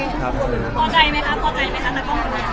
ตัวให้ใส่กลับสะดดอังไม่ดี